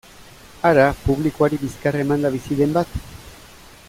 Hara, publikoari bizkarra emanda bizi den bat?